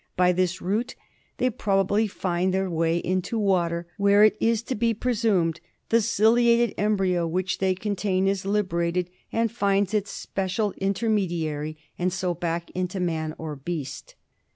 By this route they probably find their way into water, where, it is to be presumed, the ciliated embryo which they contain is liberated and finds its special intermediary, and so back into man or beast.